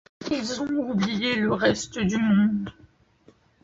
Ils ont oublié le reste du monde.